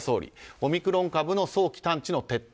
オミクロン株の早期探知の徹底。